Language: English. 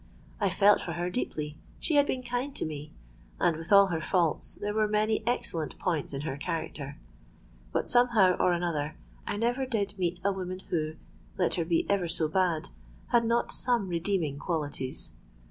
I felt for her deeply: she had been kind to me—and, with all her faults, there were many excellent points in her character. But, somehow or another, I never did meet a woman who, let her be ever so bad, had not some redeeming qualities.